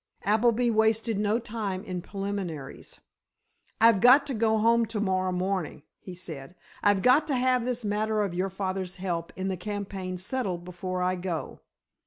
Appleby wasted no time in preliminaries. "I've got to go home to morrow morning," he said. "I've got to have this matter of your father's help in the campaign settled before I go."